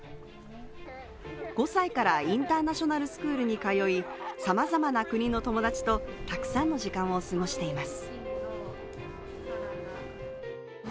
５歳からインターナショナルスクールに通い、さまざまな国の友達とたくさんの時間を過ごしています。